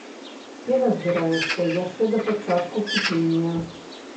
Пена збіраецца яшчэ да пачатку кіпення.